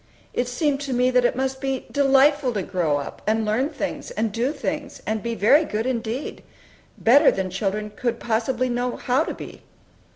It seemed to me that it must be delightful to grow up, and learn things, and do things, and be very good indeed, better than children could possibly know how to be.